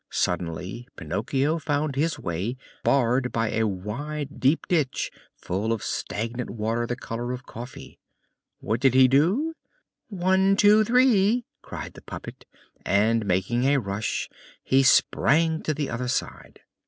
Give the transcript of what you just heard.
Suddenly Pinocchio found his way barred by a wide, deep ditch full of stagnant water the color of coffee. What was he to do? "One! two! three!" cried the puppet, and, making a rush, he sprang to the other side.